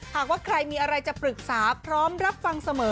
หากว่าใครมีอะไรจะปรึกษาพร้อมรับฟังเสมอ